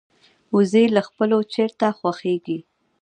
وزې له خپلو چرته خوښيږي